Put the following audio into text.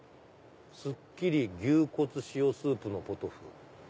すっきり牛骨塩スープのポトフ。